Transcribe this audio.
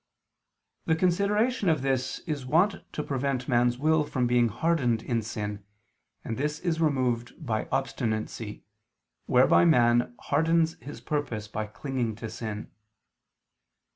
The consideration of this is wont to prevent man's will from being hardened in sin, and this is removed by "obstinacy," whereby man hardens his purpose by clinging to sin.